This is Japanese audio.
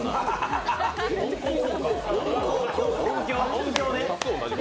音響ね！